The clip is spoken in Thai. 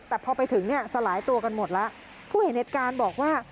แต่พอไปถึงเนี่ยสลายตัวกันหมดแล้วผู้เห็นเหตุการณ์บอกว่า